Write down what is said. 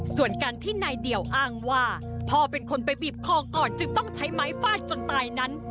ส่วนการที่นายเดี่ยวอ้างว่าพ่อเป็นคนไปบีบคอก่อนจึงต้องใช้ไม้ฟาดจนตายนั้น